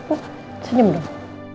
oh senyum dong